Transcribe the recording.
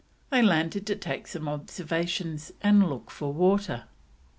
They landed to take some observations and look for water.